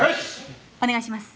お願いします。